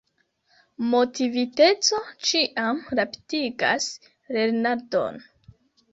Motiviteco ĉiam rapidigas lernadon.